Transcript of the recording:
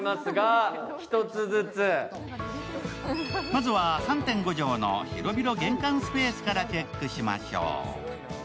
まずは、３．５畳の広々玄関スペースからチェックしましょう。